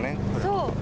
そう。